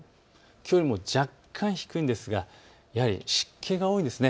きょうよりも若干低いんですが湿気が多いんです。